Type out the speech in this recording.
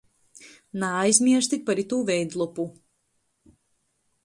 Naaizmierstit par itū veidlopu.